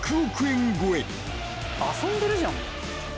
遊んでるじゃん。